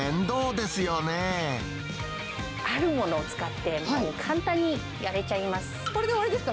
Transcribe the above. あるものを使って、簡単にやれちゃいます。